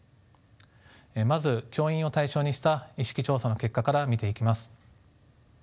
まず教員を対象にした意識調査の結果から見ていきます。